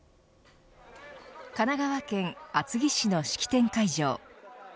神奈川県厚木市の式典会場。